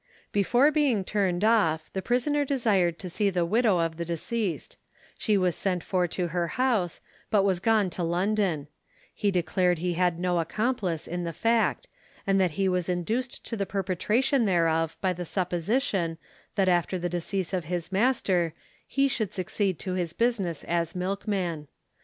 Before being turned off, the prisoner desired to see the widow of the deceased; she was sent for to her house, but was gone to London; he declared he had no accomplice in the fact, and that he was induced to the perpetration thereof by the supposition, that after the decease of his master he should succeed to his business as a milkman.